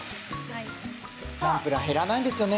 ナムプラー減らないんですよね